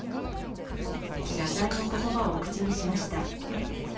謝罪のことばを口にしました。